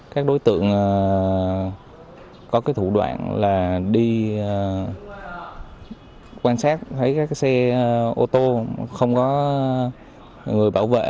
các đối tượng có thủ đoạn là đi quan sát thấy các xe ô tô không có người bảo vệ